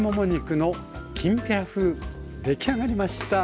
出来上がりました。